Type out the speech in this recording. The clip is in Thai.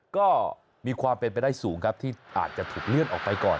ก็มีความเป็นไปได้สูงครับที่อาจจะถูกเลื่อนออกไปก่อน